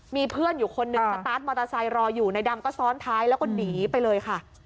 มีเพื่อนอยู่คนนึงรออยู่ในดำก็ซ้อนท้ายแล้วก็หนีไปเลยค่ะ